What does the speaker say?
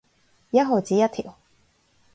一毫子一條